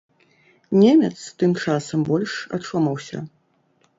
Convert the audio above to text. Немец тым часам больш ачомаўся.